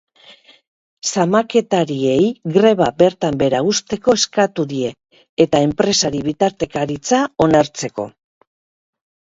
Zamaketariei greba bertan behera uzteko eskatu die, eta enpresari bitartekaritza onartzeko.